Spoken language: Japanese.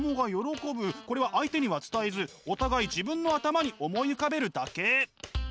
これは相手には伝えずお互い自分の頭に思い浮かべるだけ。